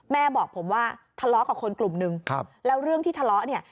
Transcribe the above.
แม่บอกผมว่าทะเลาะกับคนกลุ่มนึงแล้วเรื่องที่ทะเลาะเนี่ย